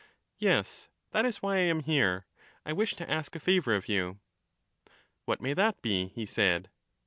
Yes ; that is why I am here ; I wish to ask a favour of you. Preface. What may that be ? he said.